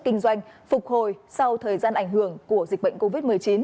kinh doanh phục hồi sau thời gian ảnh hưởng của dịch bệnh covid một mươi chín